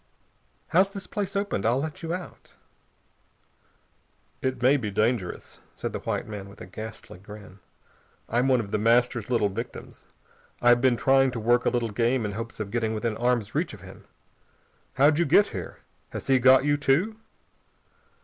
"How's this place opened? I'll let you out." "It may be dangerous," said the white man with a ghastly grin. "I'm one of The Master's little victims. I've been trying to work a little game in hopes of getting within arm's reach of him. How'd you get here? Has he got you too?"